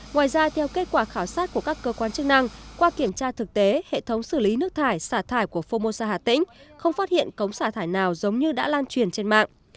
ngoài ra theo kết quả khảo sát của các cơ quan chức năng qua kiểm tra thực tế hệ thống xử lý nước thải xả thải của formosa hà tĩnh không phát hiện cống xả thải nào giống như đã lan truyền trên mạng